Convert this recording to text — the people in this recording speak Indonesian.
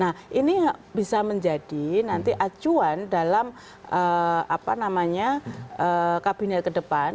nah ini bisa menjadi nanti acuan dalam kabinet ke depan